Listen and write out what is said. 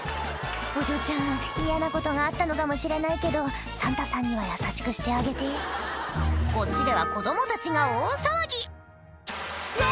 お嬢ちゃん嫌なことがあったのかもしれないけどサンタさんには優しくしてあげてこっちでは子供たちが大騒ぎうわ！